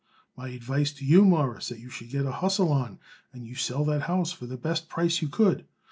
My advice to you is, Mawruss, that you should get a hustle on you and sell that house for the best price you could.